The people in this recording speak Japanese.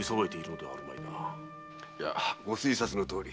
いやご推察のとおり。